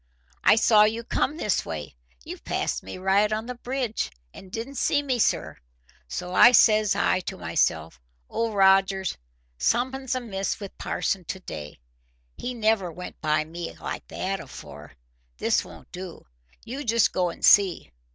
"I saw you come this way. You passed me right on the bridge, and didn't see me, sir. So says I to myself, 'Old Rogers, summat's amiss wi' parson to day. He never went by me like that afore. This won't do. You just go and see.